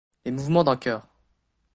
Les mouvements d’un chœur.